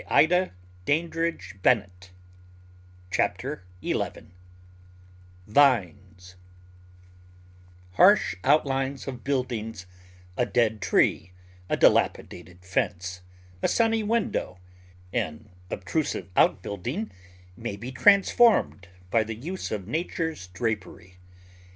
Digitized by Google Chapter ELEVEN HARSH outlines of buildings, a dead tree, a dilapidated fence, a sunny window, an obtrusive outbuilding, may be transformed by the use of Nature's drapery.